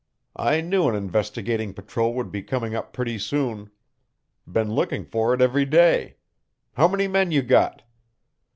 I knew an investigating patrol would be coming up pretty soon. Been looking for it every day. How many men you got?"